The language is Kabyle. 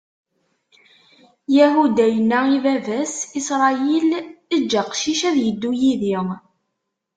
Yahuda yenna i baba-s, Isṛayil: Eǧǧ aqcic ad iddu yid-i.